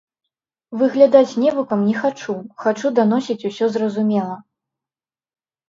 Выглядаць невукам не хачу, хачу даносіць усё зразумела.